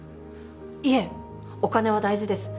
いえお金は大事です。